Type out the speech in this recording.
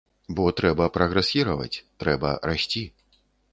Бо трэба прагрэсіраваць, трэба расці.